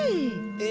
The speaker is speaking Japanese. え！